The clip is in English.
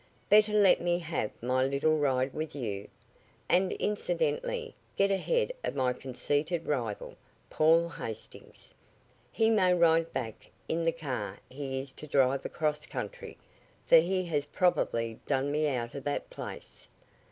Better let me have my little ride with you, and incidentally get ahead of my conceited rival, Paul Hastings. He may ride back in the car he is to drive across country, for he has probably done me out of that place.